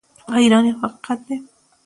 ایران یو حقیقت دی.